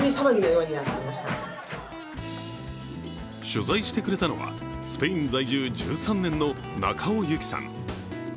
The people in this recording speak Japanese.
取材してくれたのはスペイン在住１３年の中尾有紀さん。